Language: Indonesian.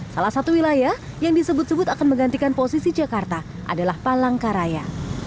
salah satu wilayah yang disebut sebut akan menggantikan posisi jakarta adalah palangkaraya